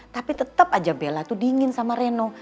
tapi tetep aja bella tuh dingin sama reno